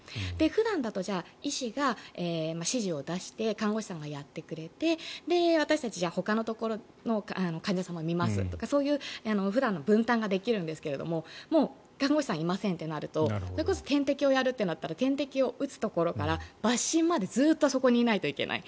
普段だと、医師が指示を出して看護師さんがやってくれて私たちほかのところの患者様を診ますとかそういう普段の分担ができるんですけどももう看護師さんがいませんってなるとそれこそ点滴をやるってなったら点滴を打つところから抜針までずっとそこにいないといけない。